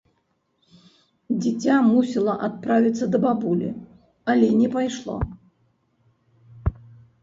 Дзіця мусіла адправіцца да бабулі, але не пайшло.